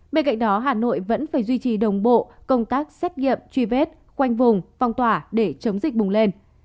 bên cạnh đó hà nội vẫn phải duy trì đồng bộ công tác xét nghiệm truy vết quanh vùng phong tỏa để chống dịch bùng lên